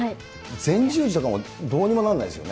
前十字とかもどうにもならないですよね。